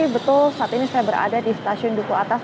betul saat ini saya berada di stasiun duku atas